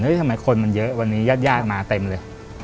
ทำไมคนมันเยอะวันนี้ญาติมาเต็มเลย